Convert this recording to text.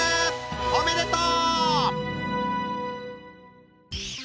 おめでとう！